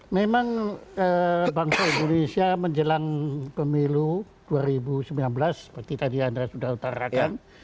memang bangsa indonesia menjelang pemilu dua ribu sembilan belas seperti tadi andra sudah utarakan